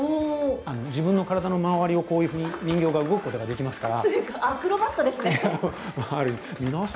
自分の体の周りをこういうふうに人形が動くことができますから。